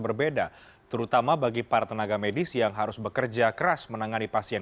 berbeda terutama bagi para tenaga medis yang harus bekerja keras menangani pasien